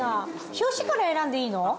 表紙から選んでいいの？